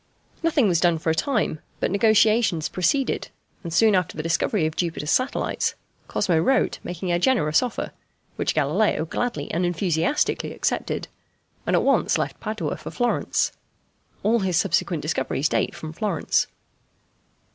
Nothing was done for a time, but negotiations proceeded, and soon after the discovery of Jupiter's satellites Cosmo wrote making a generous offer, which Galileo gladly and enthusiastically accepted, and at once left Padua for Florence. All his subsequent discoveries date from Florence.